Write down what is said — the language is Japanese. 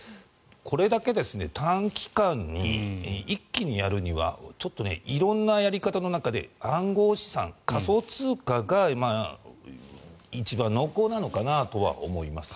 これだけ短期間に一気にやるにはちょっと色んなやり方の中で暗号資産、仮想通貨が一番濃厚なのかなとは思います。